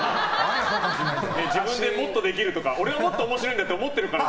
自分でもっとできるとか俺もっと面白いんだって思ってるから。